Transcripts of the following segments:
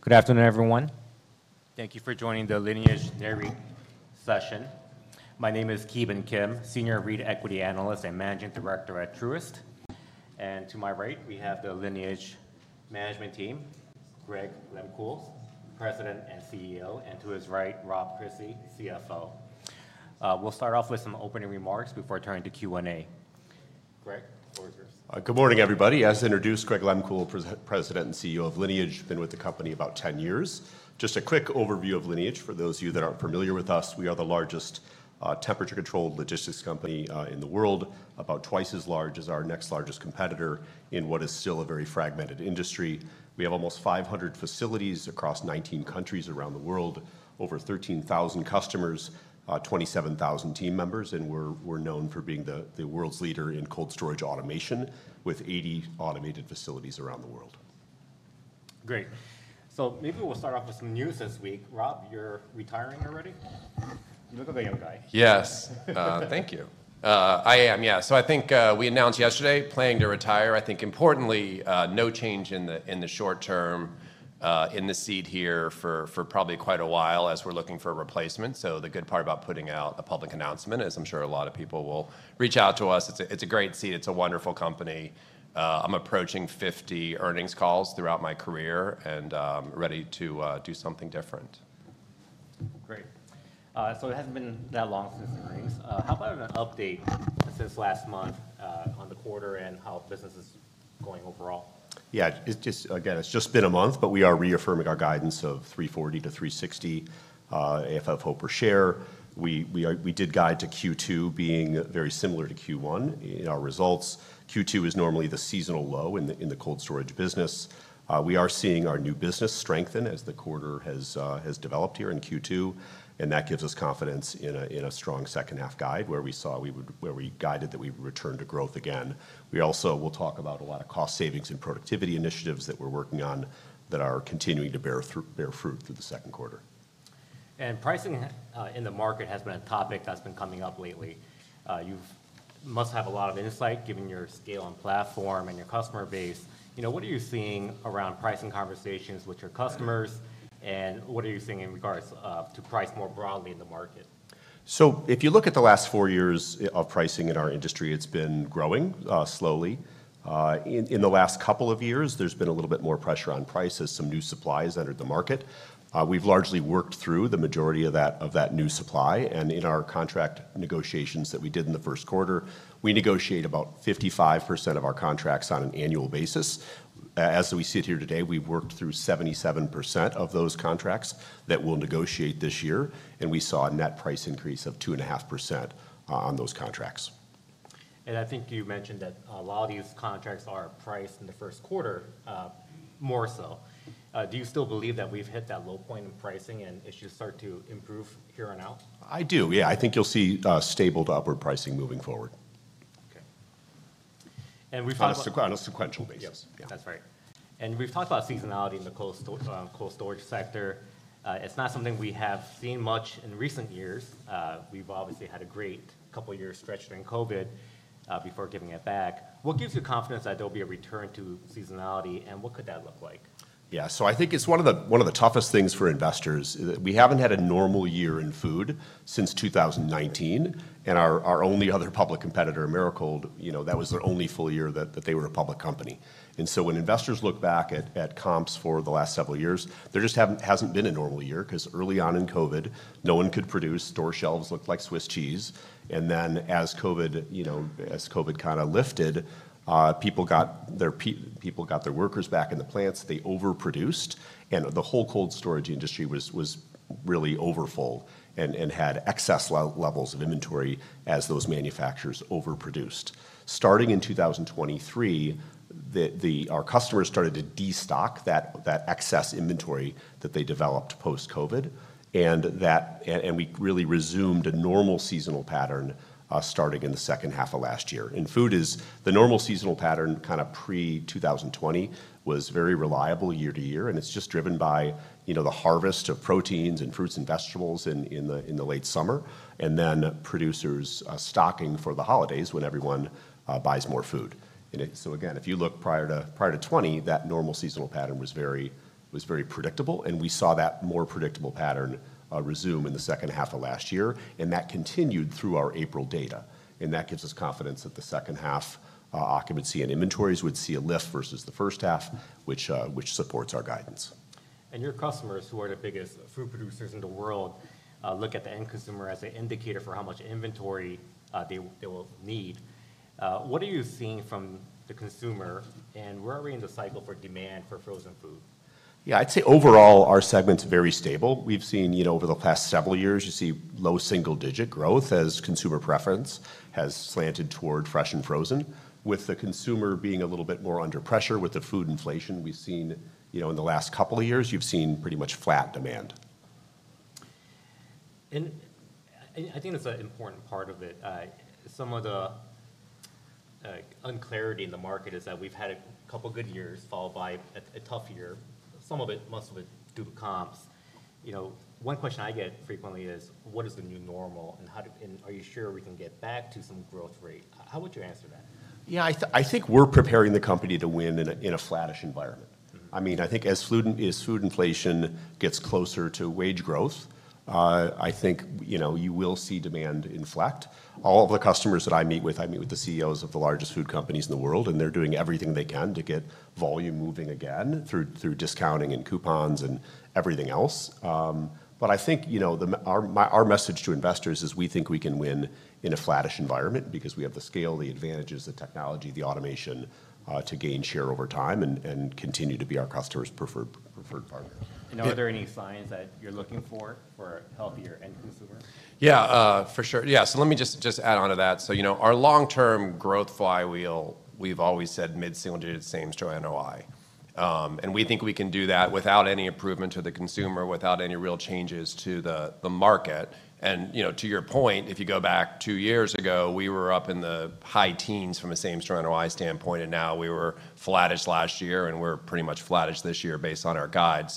Good afternoon, everyone. Thank you for joining the Lineage Dairy session. My name is Keeban Kim, Senior REIT Equity Analyst and Managing Director at Truist. To my right, we have the Lineage Management Team, Greg Lehmkuhl, President and CEO, and to his right, Rob Crisci, CFO. We'll start off with some opening remarks before turning to Q&A. Greg, over to you. Good morning, everybody. As introduced, Greg Lehmkuhl, President and CEO of Lineage. Been with the company about 10 years. Just a quick overview of Lineage for those of you that aren't familiar with us. We are the largest temperature-controlled logistics company in the world, about twice as large as our next largest competitor in what is still a very fragmented industry. We have almost 500 facilities across 19 countries around the world, over 13,000 customers, 27,000 team members, and we're known for being the world's leader in cold storage automation with 80 automated facilities around the world. Great. Maybe we'll start off with some news this week. Rob, you're retiring already? Look at the young guy. Yes. Thank you. I am, yeah. I think we announced yesterday, planning to retire. I think, importantly, no change in the short term in the seat here for probably quite a while as we're looking for a replacement. The good part about putting out a public announcement is I'm sure a lot of people will reach out to us. It's a great seat. It's a wonderful company. I'm approaching 50 earnings calls throughout my career and ready to do something different. Great. It hasn't been that long since the earnings. How about an update since last month on the quarter and how business is going overall? Yeah. Again, it's just been a month, but we are reaffirming our guidance of $3.40-$3.60 AFFO per share. We did guide to Q2 being very similar to Q1 in our results. Q2 is normally the seasonal low in the cold storage business. We are seeing our new business strengthen as the quarter has developed here in Q2, and that gives us confidence in a strong second-half guide where we saw, where we guided that we return to growth again. We also will talk about a lot of cost savings and productivity initiatives that we're working on that are continuing to bear fruit through the second quarter. Pricing in the market has been a topic that's been coming up lately. You must have a lot of insight given your scale and platform and your customer base. What are you seeing around pricing conversations with your customers, and what are you seeing in regards to price more broadly in the market? If you look at the last four years of pricing in our industry, it's been growing slowly. In the last couple of years, there's been a little bit more pressure on price as some new supply has entered the market. We've largely worked through the majority of that new supply. In our contract negotiations that we did in the first quarter, we negotiate about 55% of our contracts on an annual basis. As we sit here today, we've worked through 77% of those contracts that we'll negotiate this year, and we saw a net price increase of 2.5% on those contracts. I think you mentioned that a lot of these contracts are priced in the first quarter more so. Do you still believe that we've hit that low point in pricing and issues start to improve here and now? I do, yeah. I think you'll see stable to upward pricing moving forward. Okay. We've talked about. On a sequential basis. Yes, that's right. We've talked about seasonality in the cold storage sector. It's not something we have seen much in recent years. We've obviously had a great couple of years stretched during COVID before giving it back. What gives you confidence that there'll be a return to seasonality, and what could that look like? Yeah. I think it's one of the toughest things for investors. We haven't had a normal year in food since 2019, and our only other public competitor, Americold, that was their only full year that they were a public company. When investors look back at comps for the last several years, there just hasn't been a normal year because early on in COVID, no one could produce. Store shelves looked like Swiss cheese. As COVID kind of lifted, people got their workers back in the plants. They overproduced, and the whole cold storage industry was really overfull and had excess levels of inventory as those manufacturers overproduced. Starting in 2023, our customers started to destock that excess inventory that they developed post-COVID, and we really resumed a normal seasonal pattern starting in the second half of last year. In food, the normal seasonal pattern kind of pre-2020 was very reliable year to year, and it's just driven by the harvest of proteins and fruits and vegetables in the late summer, and then producers stocking for the holidays when everyone buys more food. If you look prior to 2020, that normal seasonal pattern was very predictable, and we saw that more predictable pattern resume in the second half of last year, and that continued through our April data. That gives us confidence that the second half occupancy and inventories would see a lift versus the first half, which supports our guidance. Your customers, who are the biggest food producers in the world, look at the end consumer as an indicator for how much inventory they will need. What are you seeing from the consumer, and where are we in the cycle for demand for frozen food? Yeah, I'd say overall our segment's very stable. We've seen over the past several years, you see low single-digit growth as consumer preference has slanted toward fresh and frozen. With the consumer being a little bit more under pressure with the food inflation, we've seen in the last couple of years, you've seen pretty much flat demand. I think that's an important part of it. Some of the unclarity in the market is that we've had a couple of good years followed by a tough year. Some of it, most of it, due to comps. One question I get frequently is, what is the new normal, and are you sure we can get back to some growth rate? How would you answer that? Yeah, I think we're preparing the company to win in a flattish environment. I mean, I think as food inflation gets closer to wage growth, I think you will see demand inflect. All of the customers that I meet with, I meet with the CEOs of the largest food companies in the world, and they're doing everything they can to get volume moving again through discounting and coupons and everything else. I think our message to investors is we think we can win in a flattish environment because we have the scale, the advantages, the technology, the automation to gain share over time and continue to be our customer's preferred partner. Are there any signs that you're looking for for a healthier end consumer? Yeah, for sure. Yeah. Let me just add on to that. Our long-term growth flywheel, we've always said mid-single digit same store NOI. We think we can do that without any improvement to the consumer, without any real changes to the market. To your point, if you go back two years ago, we were up in the high teens from a same store NOI standpoint, and now we were flattish last year, and we're pretty much flattish this year based on our guide.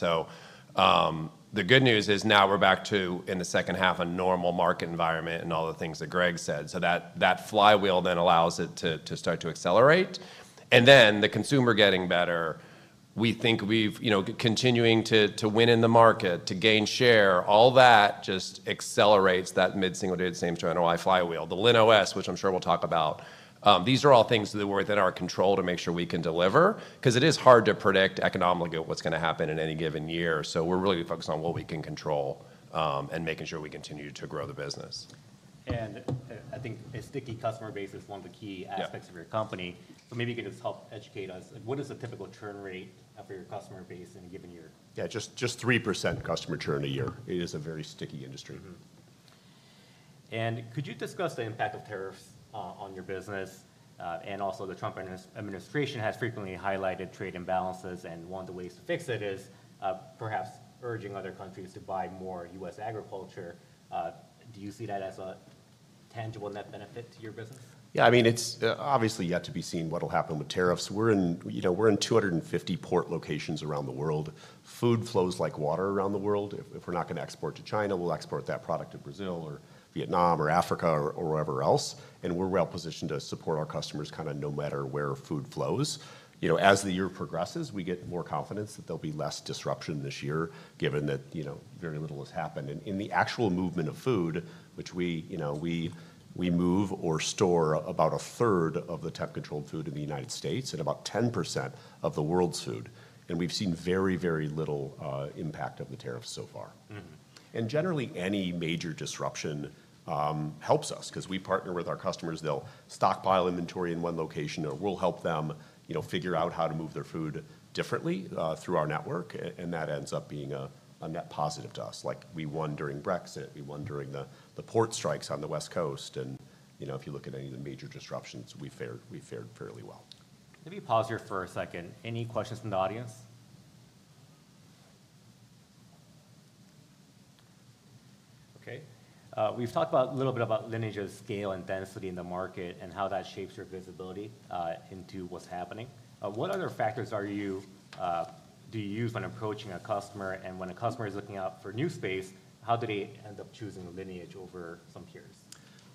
The good news is now we're back to, in the second half, a normal market environment and all the things that Greg said. That flywheel then allows it to start to accelerate. The consumer getting better, we think continuing to win in the market, to gain share, all that just accelerates that mid-single digit same store NOI flywheel. The LinOS, which I'm sure we'll talk about, these are all things that are within our control to make sure we can deliver because it is hard to predict economically what's going to happen in any given year. We are really focused on what we can control and making sure we continue to grow the business. I think a sticky customer base is one of the key aspects of your company. Maybe you could just help educate us. What is the typical churn rate for your customer base in a given year? Yeah, just 3% customer churn a year. It is a very sticky industry. Could you discuss the impact of tariffs on your business? Also, the Trump administration has frequently highlighted trade imbalances, and one of the ways to fix it is perhaps urging other countries to buy more U.S. agriculture. Do you see that as a tangible net benefit to your business? Yeah, I mean, it's obviously yet to be seen what'll happen with tariffs. We're in 250 port locations around the world. Food flows like water around the world. If we're not going to export to China, we'll export that product to Brazil or Vietnam or Africa or wherever else. We're well positioned to support our customers kind of no matter where food flows. As the year progresses, we get more confidence that there'll be less disruption this year given that very little has happened in the actual movement of food, which we move or store about a third of the temp-controlled food in the United States and about 10% of the world's food. We've seen very, very little impact of the tariffs so far. Generally, any major disruption helps us because we partner with our customers. They'll stockpile inventory in one location, or we'll help them figure out how to move their food differently through our network, and that ends up being a net positive to us. Like we won during Brexit, we won during the port strikes on the West Coast. If you look at any of the major disruptions, we fared fairly well. Let me pause here for a second. Any questions from the audience? Okay. We've talked a little bit about Lineage's scale and density in the market and how that shapes your visibility into what's happening. What other factors do you use when approaching a customer? And when a customer is looking out for new space, how do they end up choosing Lineage over some peers?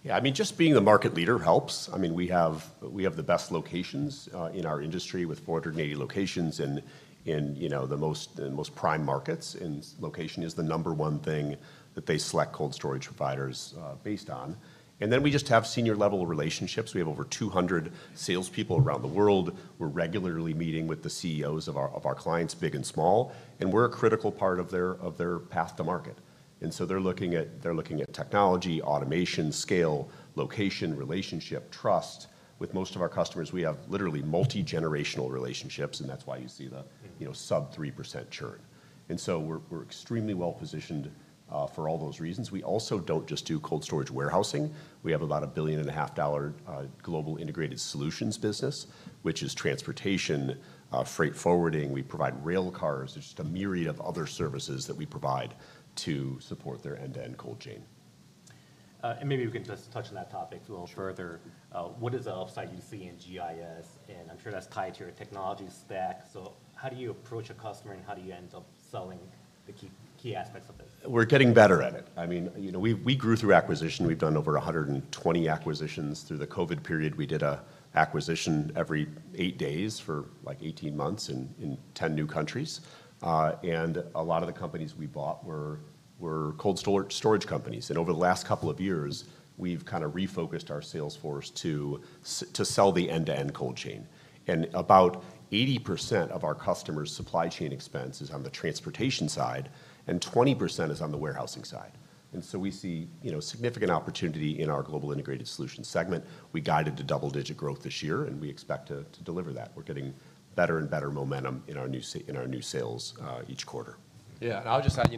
Yeah, I mean, just being the market leader helps. I mean, we have the best locations in our industry with 480 locations in the most prime markets, and location is the number one thing that they select cold storage providers based on. We just have senior-level relationships. We have over 200 salespeople around the world. We're regularly meeting with the CEOs of our clients, big and small, and we're a critical part of their path to market. They're looking at technology, automation, scale, location, relationship, trust. With most of our customers, we have literally multi-generational relationships, and that's why you see the sub 3% churn. We're extremely well positioned for all those reasons. We also do not just do cold storage warehousing. We have about a $1.5 billion global integrated solutions business, which is transportation, freight forwarding. We provide rail cars. There's just a myriad of other services that we provide to support their end-to-end cold chain. Maybe we can just touch on that topic further. What is the upside you see in GIS? I'm sure that's tied to your technology stack. How do you approach a customer, and how do you end up selling the key aspects of this? We're getting better at it. I mean, we grew through acquisition. We've done over 120 acquisitions through the COVID period. We did an acquisition every eight days for like 18 months in 10 new countries. A lot of the companies we bought were cold storage companies. Over the last couple of years, we've kind of refocused our sales force to sell the end-to-end cold chain. About 80% of our customers' supply chain expense is on the transportation side, and 20% is on the warehousing side. We see significant opportunity in our global integrated solution segment. We guided to double-digit growth this year, and we expect to deliver that. We're getting better and better momentum in our new sales each quarter. Yeah. I'll just add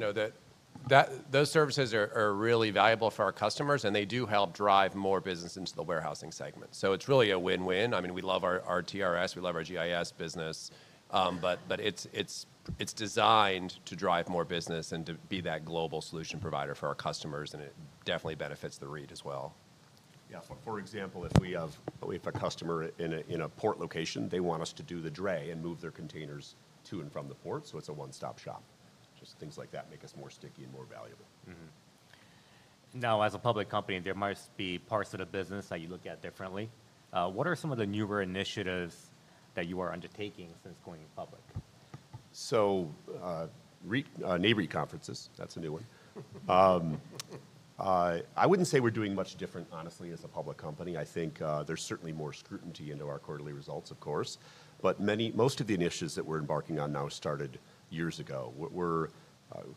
that those services are really valuable for our customers, and they do help drive more business into the warehousing segment. It's really a win-win. I mean, we love our TRS. We love our GIS business. It's designed to drive more business and to be that global solution provider for our customers, and it definitely benefits the REIT as well. Yeah. For example, if we have a customer in a port location, they want us to do the dray and move their containers to and from the port. It is a one-stop shop. Just things like that make us more sticky and more valuable. Now, as a public company, there must be parts of the business that you look at differently. What are some of the newer initiatives that you are undertaking since going public? NAVRE conferences, that's a new one. I wouldn't say we're doing much different, honestly, as a public company. I think there's certainly more scrutiny into our quarterly results, of course. Most of the initiatives that we're embarking on now started years ago. We're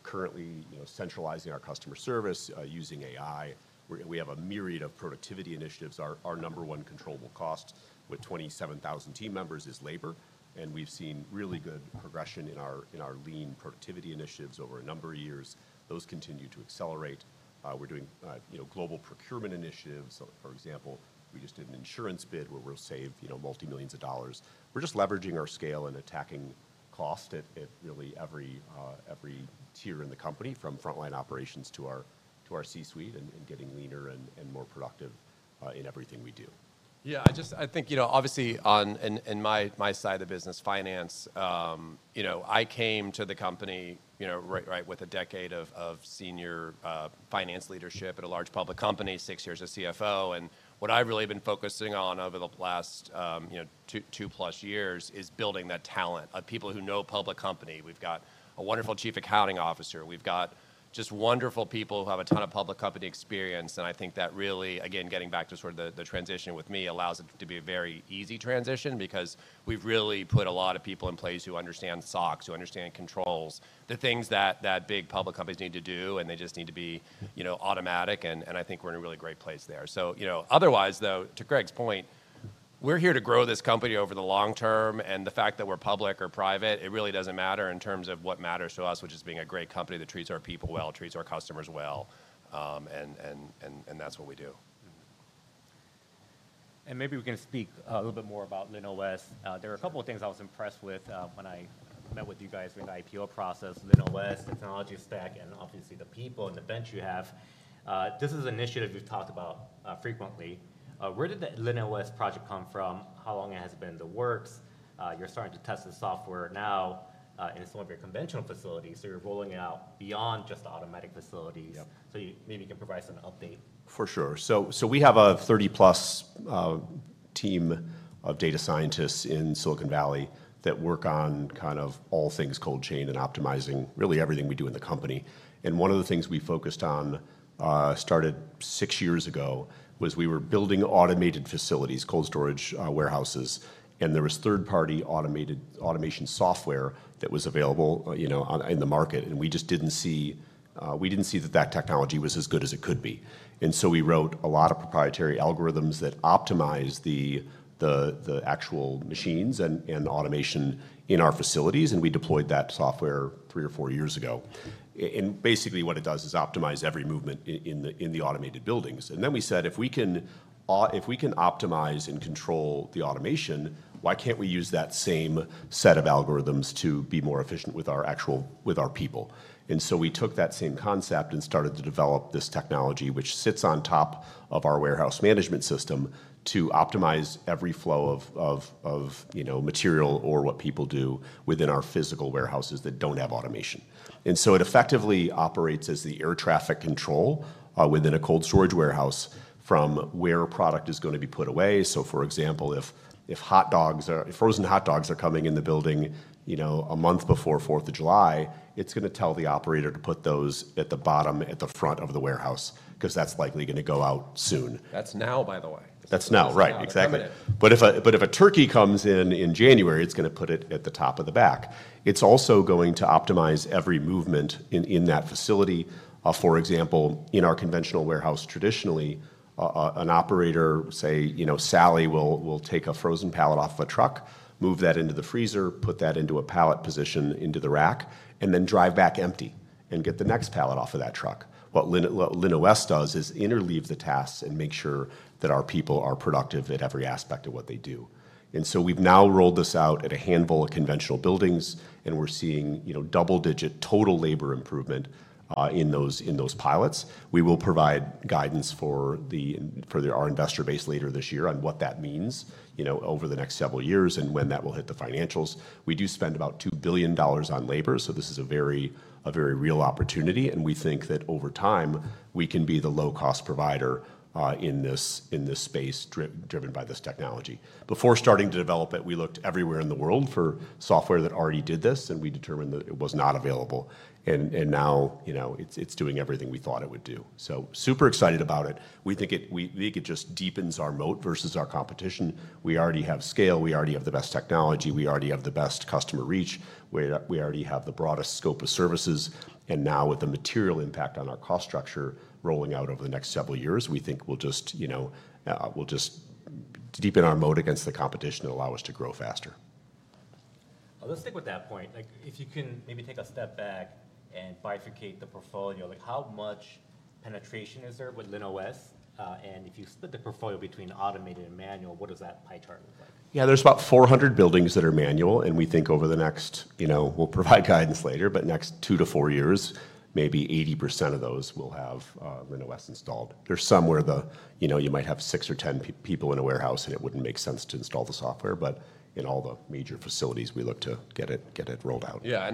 currently centralizing our customer service using AI. We have a myriad of productivity initiatives. Our number one controllable cost with 27,000 team members is labor. We've seen really good progression in our lean productivity initiatives over a number of years. Those continue to accelerate. We're doing global procurement initiatives. For example, we just did an insurance bid where we'll save multi-millions of dollars. We're just leveraging our scale and attacking cost at really every tier in the company from frontline operations to our C-suite and getting leaner and more productive in everything we do. Yeah. I think obviously on my side of the business, finance, I came to the company with a decade of senior finance leadership at a large public company, six years as CFO. What I've really been focusing on over the last two-plus years is building that talent of people who know public company. We've got a wonderful Chief Accounting Officer. We've got just wonderful people who have a ton of public company experience. I think that really, again, getting back to sort of the transition with me allows it to be a very easy transition because we've really put a lot of people in place who understand SOCs, who understand controls, the things that big public companies need to do, and they just need to be automatic. I think we're in a really great place there. Otherwise, though, to Greg's point, we're here to grow this company over the long term. The fact that we're public or private, it really doesn't matter in terms of what matters to us, which is being a great company that treats our people well, treats our customers well. That's what we do. Maybe we can speak a little bit more about LinOS. There are a couple of things I was impressed with when I met with you guys in the IPO process, LinOS, technology stack, and obviously the people and the bench you have. This is an initiative we've talked about frequently. Where did the LinOS project come from? How long has it been in the works? You're starting to test the software now in some of your conventional facilities. You're rolling out beyond just the automatic facilities. Maybe you can provide some update. For sure. We have a 30-plus team of data scientists in Silicon Valley that work on kind of all things cold chain and optimizing really everything we do in the company. One of the things we focused on, started six years ago, was we were building automated facilities, cold storage warehouses. There was third-party automation software that was available in the market. We just did not see that that technology was as good as it could be. We wrote a lot of proprietary algorithms that optimize the actual machines and automation in our facilities. We deployed that software three or four years ago. Basically what it does is optimize every movement in the automated buildings. We said, if we can optimize and control the automation, why cannot we use that same set of algorithms to be more efficient with our people? We took that same concept and started to develop this technology, which sits on top of our warehouse management system to optimize every flow of material or what people do within our physical warehouses that do not have automation. It effectively operates as the air traffic control within a cold storage warehouse from where product is going to be put away. For example, if frozen hot dogs are coming in the building a month before 4th of July, it is going to tell the operator to put those at the bottom at the front of the warehouse because that is likely going to go out soon. That's now, by the way. That's now, right. Exactly. If a turkey comes in in January, it's going to put it at the top of the back. It's also going to optimize every movement in that facility. For example, in our conventional warehouse, traditionally, an operator, say Sally, will take a frozen pallet off a truck, move that into the freezer, put that into a pallet position into the rack, and then drive back empty and get the next pallet off of that truck. What LinOS does is interleave the tasks and make sure that our people are productive at every aspect of what they do. We have now rolled this out at a handful of conventional buildings, and we're seeing double-digit total labor improvement in those pilots. We will provide guidance for our investor base later this year on what that means over the next several years and when that will hit the financials. We do spend about $2 billion on labor. This is a very real opportunity. We think that over time, we can be the low-cost provider in this space driven by this technology. Before starting to develop it, we looked everywhere in the world for software that already did this, and we determined that it was not available. Now it is doing everything we thought it would do. Super excited about it. We think it just deepens our moat versus our competition. We already have scale. We already have the best technology. We already have the best customer reach. We already have the broadest scope of services. With the material impact on our cost structure rolling out over the next several years, we think we'll just deepen our moat against the competition and allow us to grow faster. Let's stick with that point. If you can maybe take a step back and bifurcate the portfolio, how much penetration is there with LinOS? And if you split the portfolio between automated and manual, what does that pie chart look like? Yeah, there's about 400 buildings that are manual. And we think over the next—we'll provide guidance later, but next two to four years, maybe 80% of those will have LinOS installed. There's some where you might have six or ten people in a warehouse, and it wouldn't make sense to install the software. But in all the major facilities, we look to get it rolled out. Yeah.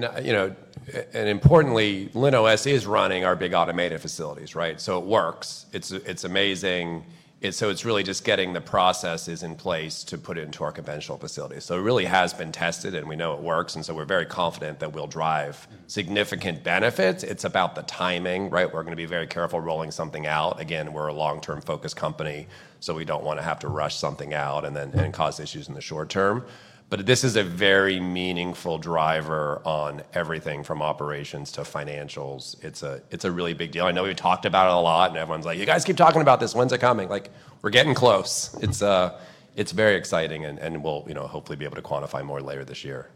Importantly, LinOS is running our big automated facilities, right? It works. It's amazing. It's really just getting the processes in place to put it into our conventional facilities. It really has been tested, and we know it works. We are very confident that we'll drive significant benefits. It's about the timing, right? We are going to be very careful rolling something out. We are a long-term focus company, so we do not want to have to rush something out and cause issues in the short term. This is a very meaningful driver on everything from operations to financials. It's a really big deal. I know we've talked about it a lot, and everyone's like, "You guys keep talking about this. When's it coming?" We are getting close. It's very exciting, and we'll hopefully be able to quantify more later this year.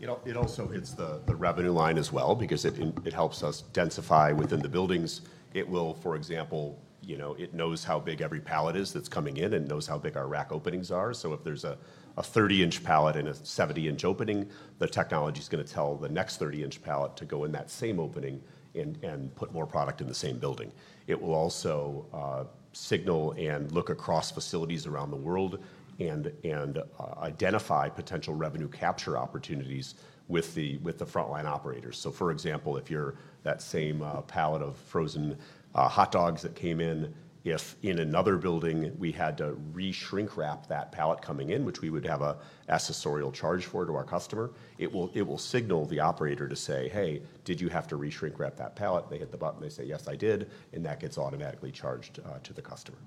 It also hits the revenue line as well because it helps us densify within the buildings. It will, for example, it knows how big every pallet is that's coming in and knows how big our rack openings are. If there's a 30-inch pallet and a 70-inch opening, the technology is going to tell the next 30-inch pallet to go in that same opening and put more product in the same building. It will also signal and look across facilities around the world and identify potential revenue capture opportunities with the frontline operators. For example, if you're that same pallet of frozen hot dogs that came in, if in another building we had to reshrink wrap that pallet coming in, which we would have an accessorial charge for to our customer, it will signal the operator to say, "Hey, did you have to reshrink wrap that pallet?" They hit the button. They say, "Yes, I did." That gets automatically charged to the customer.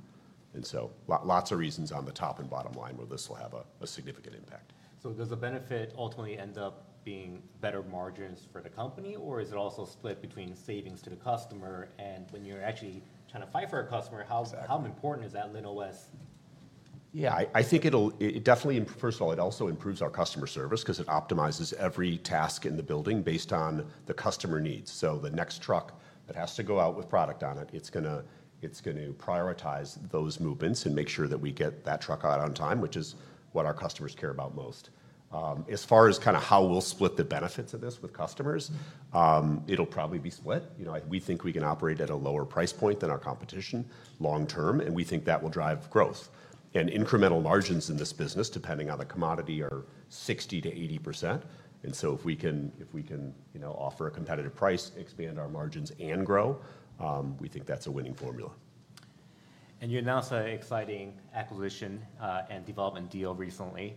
Lots of reasons on the top and bottom line where this will have a significant impact. Does the benefit ultimately end up being better margins for the company, or is it also split between savings to the customer? When you're actually trying to fight for a customer, how important is that LinOS? Yeah. I think it definitely, first of all, it also improves our customer service because it optimizes every task in the building based on the customer needs. The next truck that has to go out with product on it, it's going to prioritize those movements and make sure that we get that truck out on time, which is what our customers care about most. As far as kind of how we'll split the benefits of this with customers, it'll probably be split. We think we can operate at a lower price point than our competition long term, and we think that will drive growth. Incremental margins in this business, depending on the commodity, are 60-80%. If we can offer a competitive price, expand our margins, and grow, we think that's a winning formula. You announced an exciting acquisition and development deal recently.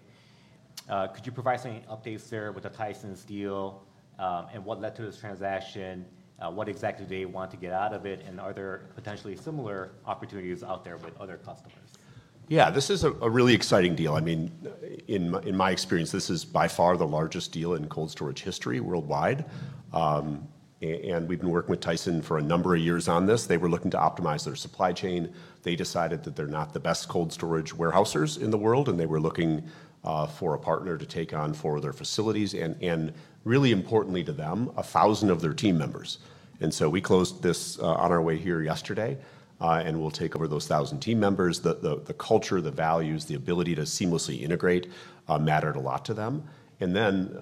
Could you provide some updates there with the Tyson Foods deal and what led to this transaction? What exactly do they want to get out of it? Are there potentially similar opportunities out there with other customers? Yeah. This is a really exciting deal. I mean, in my experience, this is by far the largest deal in cold storage history worldwide. And we've been working with Tyson Foods for a number of years on this. They were looking to optimize their supply chain. They decided that they're not the best cold storage warehousers in the world, and they were looking for a partner to take on for their facilities. And really importantly to them, 1,000 of their team members. We closed this on our way here yesterday, and we'll take over those 1,000 team members. The culture, the values, the ability to seamlessly integrate mattered a lot to them.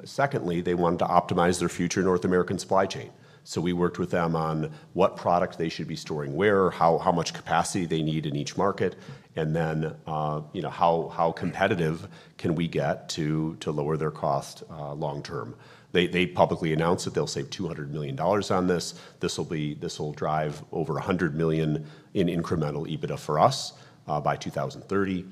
Secondly, they wanted to optimize their future North American supply chain. We worked with them on what product they should be storing where, how much capacity they need in each market, and then how competitive can we get to lower their cost long term. They publicly announced that they'll save $200 million on this. This will drive over $100 million in incremental EBITDA for us by 2030.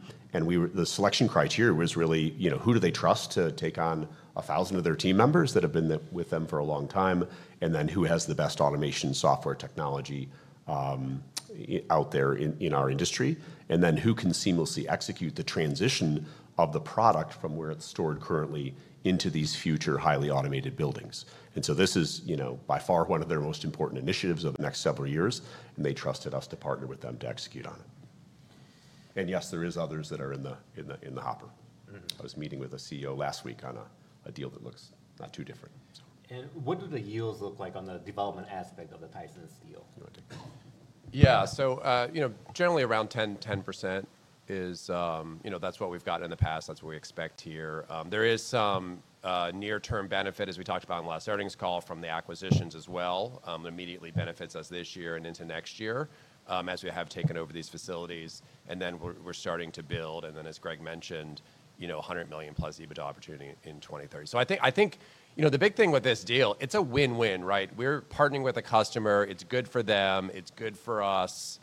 The selection criteria was really, who do they trust to take on 1,000 of their team members that have been with them for a long time? Who has the best automation software technology out there in our industry? Who can seamlessly execute the transition of the product from where it's stored currently into these future highly automated buildings? This is by far one of their most important initiatives over the next several years. They trusted us to partner with them to execute on it. Yes, there are others that are in the hopper. I was meeting with a CEO last week on a deal that looks not too different. What do the yields look like on the development aspect of the Tyson Foods deal? Yeah. So generally around 10% is that's what we've gotten in the past. That's what we expect here. There is some near-term benefit, as we talked about in last earnings call, from the acquisitions as well. It immediately benefits us this year and into next year as we have taken over these facilities. And then we're starting to build. And then as Greg mentioned, $100 million plus EBITDA opportunity in 2030. I think the big thing with this deal, it's a win-win, right? We're partnering with a customer. It's good for them. It's good for us.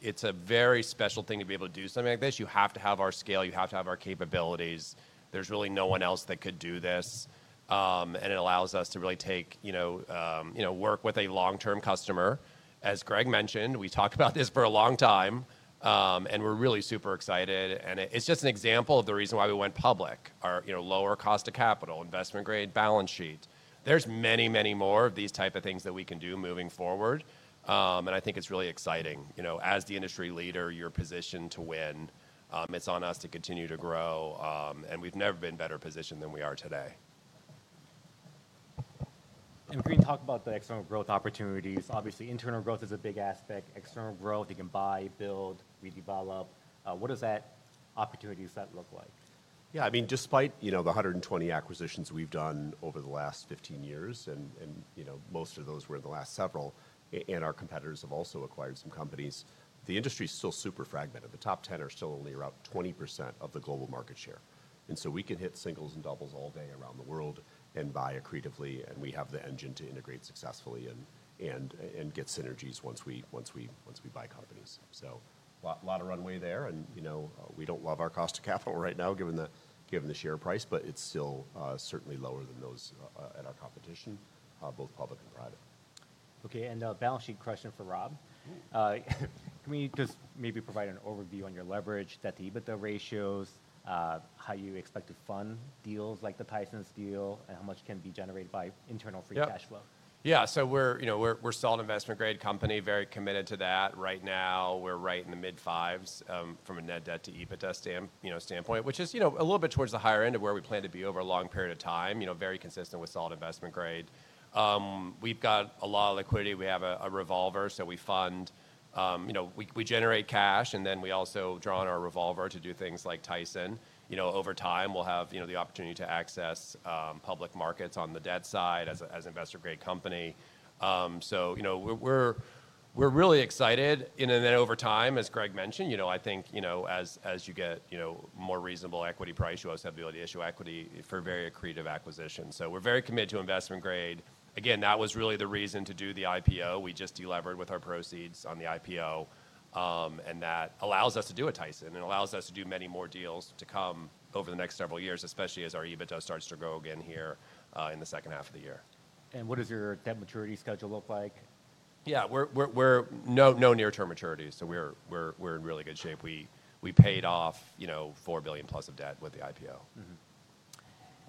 It's a very special thing to be able to do something like this. You have to have our scale. You have to have our capabilities. There's really no one else that could do this. It allows us to really work with a long-term customer. As Greg mentioned, we talked about this for a long time, and we're really super excited. It's just an example of the reason why we went public, our lower cost of capital, investment-grade balance sheet. There are many, many more of these types of things that we can do moving forward. I think it's really exciting. As the industry leader, you're positioned to win. It's on us to continue to grow. We've never been better positioned than we are today. If we can talk about the external growth opportunities, obviously internal growth is a big aspect. External growth, you can buy, build, redevelop. What does that opportunity set look like? Yeah. I mean, despite the 120 acquisitions we have done over the last 15 years, and most of those were in the last several, and our competitors have also acquired some companies, the industry is still super fragmented. The top 10 are still only around 20% of the global market share. We can hit singles and doubles all day around the world and buy accretively. We have the engine to integrate successfully and get synergies once we buy companies. A lot of runway there. We do not love our cost of capital right now given the share price, but it is still certainly lower than those at our competition, both public and private. Okay. Balance sheet question for Rob. Can we just maybe provide an overview on your leverage, the EBITDA ratios, how you expect to fund deals like the Tyson Foods deal, and how much can be generated by internal free cash flow? Yeah. So we're a solid investment-grade company, very committed to that. Right now, we're right in the mid-fives from a net debt to EBITDA standpoint, which is a little bit towards the higher end of where we plan to be over a long period of time, very consistent with solid investment grade. We've got a lot of liquidity. We have a revolver. We generate cash, and then we also draw on our revolver to do things like Tyson. Over time, we'll have the opportunity to access public markets on the debt side as an investment-grade company. We're really excited. Over time, as Greg mentioned, I think as you get more reasonable equity price, you also have the ability to issue equity for very accretive acquisitions. We're very committed to investment-grade. Again, that was really the reason to do the IPO. We just delevered with our proceeds on the IPO. That allows us to do a Tyson. It allows us to do many more deals to come over the next several years, especially as our EBITDA starts to grow again here in the second half of the year. What does your debt maturity schedule look like? Yeah. We have no near-term maturity. So we're in really good shape. We paid off $4 billion plus of debt with the IPO.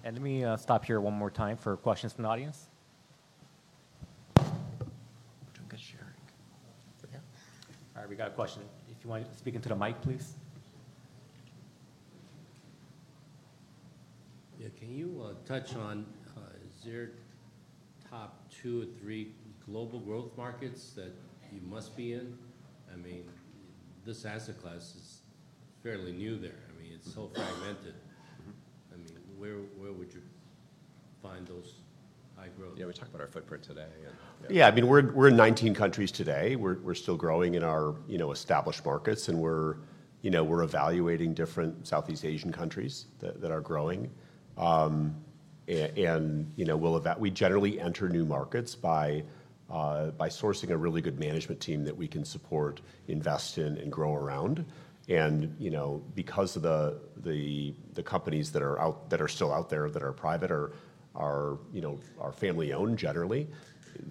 Let me stop here one more time for questions from the audience. We're doing good sharing. All right. We got a question. If you want to speak into the mic, please. Yeah. Can you touch on is there top two or three global growth markets that you must be in? I mean, this asset class is fairly new there. I mean, it's so fragmented. I mean, where would you find those high growth? Yeah. We talked about our footprint today. Yeah. I mean, we're in 19 countries today. We're still growing in our established markets. We're evaluating different Southeast Asian countries that are growing. We generally enter new markets by sourcing a really good management team that we can support, invest in, and grow around. Because of the companies that are still out there that are private or are family-owned generally,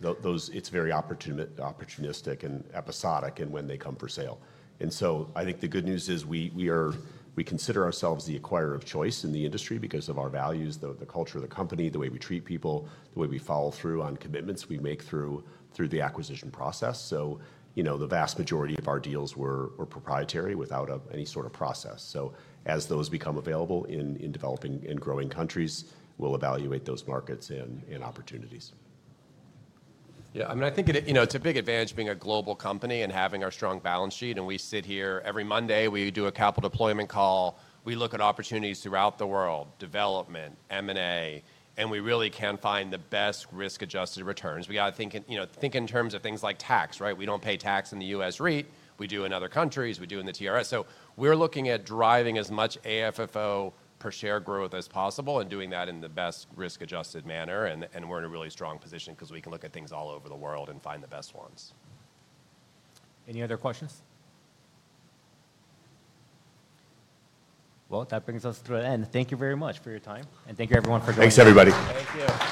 it's very opportunistic and episodic in when they come for sale. I think the good news is we consider ourselves the acquirer of choice in the industry because of our values, the culture of the company, the way we treat people, the way we follow through on commitments we make through the acquisition process. The vast majority of our deals were proprietary without any sort of process. As those become available in developing and growing countries, we'll evaluate those markets and opportunities. Yeah. I mean, I think it's a big advantage being a global company and having our strong balance sheet. We sit here every Monday. We do a capital deployment call. We look at opportunities throughout the world, development, M&A, and we really can find the best risk-adjusted returns. We got to think in terms of things like tax, right? We do not pay tax in the U.S. REIT. We do in other countries. We do in the TRS. We are looking at driving as much AFFO per share growth as possible and doing that in the best risk-adjusted manner. We are in a really strong position because we can look at things all over the world and find the best ones. Any other questions? That brings us to an end. Thank you very much for your time. And thank you, everyone, for joining us. Thanks, everybody. Thank you.